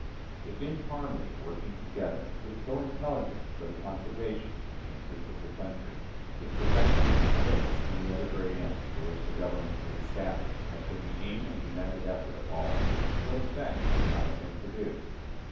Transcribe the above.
If in harmony working together, with co intelligence for the conservation of the interests of the country if protection to the States and the other great ends for which the Government was established, had been the aim and united effort of all what effects would not have been produced?